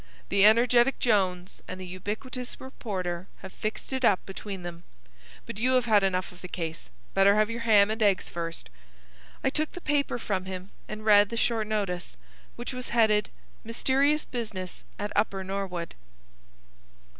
"The energetic Jones and the ubiquitous reporter have fixed it up between them. But you have had enough of the case. Better have your ham and eggs first." I took the paper from him and read the short notice, which was headed "Mysterious Business at Upper Norwood."